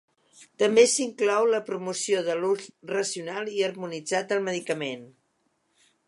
També s’inclou la promoció de l’ús racional i harmonitzat del medicament.